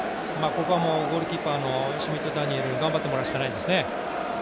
ここはゴールキーパーのシュミット・ダニエルに頑張ってもらうしかないですね。